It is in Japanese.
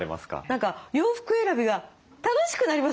何か洋服選びが楽しくなりますね。